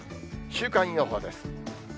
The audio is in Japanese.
週間予報です。